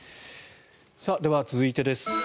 では続いてです。